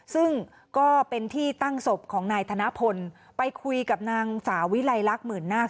ซึ่งก็เป็นที่ตั้งศพของนายธนพลไปคุยกับนางสาวิลัยลักษณ์หมื่นนาค